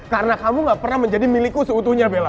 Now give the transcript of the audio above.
karena kamu gak pernah menjadi milikku seutuhnya bella